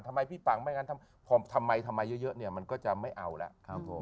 เพราะฉะนั้นพอทำไมทำไมเยอะเนี่ยมันก็จะไม่เอาแล้ว